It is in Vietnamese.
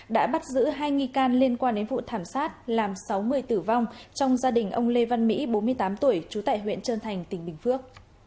đã bắt giữ hai nghi can liên quan đến vụ thảm sát làm sáu người tử vong trong gia đình ông lê văn mỹ bốn mươi tám tuổi trú tại huyện trơn thành tỉnh bình phước